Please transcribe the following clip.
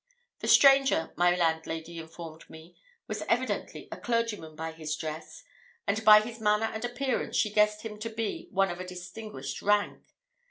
The stranger, my landlady informed me, was evidently a clergyman by his dress, and by his manner and appearance she guessed him to be one of a distinguished rank.